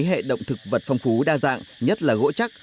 hệ động thực vật phong phú đa dạng nhất là gỗ chắc